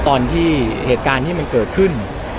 ตอนที่เหตุการณ์ที่มันเกิดขึ้น